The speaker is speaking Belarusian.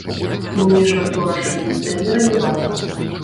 І ўмешвацца ў рашэнні трэнера не варта.